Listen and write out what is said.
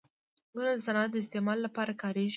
• ونه د صنعتي استعمال لپاره کارېږي.